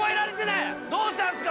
どうしたんですか？